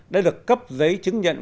đã được cấp giấy chứng nhận